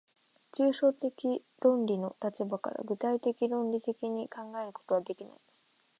抽象的論理の立場から具体的論理的に考えることはできない。